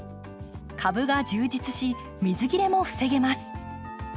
株が充実し水切れも防げます。